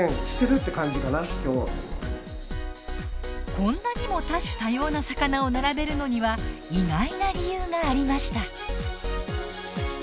こんなにも多種多様な魚を並べるのには意外な理由がありました。